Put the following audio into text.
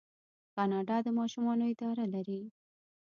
کاناډا د ماشومانو اداره لري.